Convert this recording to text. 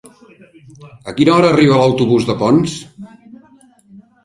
A quina hora arriba l'autobús de Ponts?